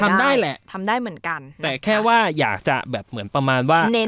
ทำได้แหละทำได้เหมือนกันแต่แค่ว่าอยากจะแบบเหมือนประมาณว่า